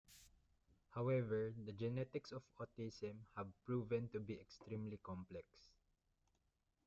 However, the genetics of autism have proven to be extremely complex.